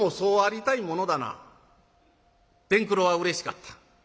伝九郎はうれしかった。